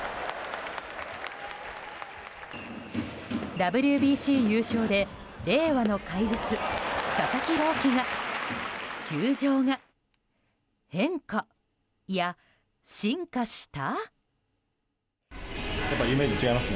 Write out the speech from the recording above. ＷＢＣ優勝で令和の怪物、佐々木朗希が球場が変化、いや進化した？